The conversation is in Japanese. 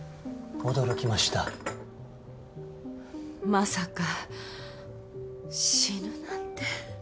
まさか死ぬなんて。